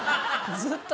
ずっと？